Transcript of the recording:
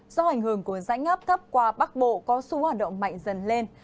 do hành hưởng của rãnh ngắp thấp qua bắc bộ có su hoạt động mạnh dần lên